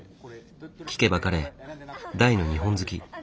聞けば彼大の日本好き。